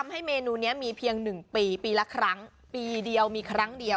หมึกกะตอยต้มหวาน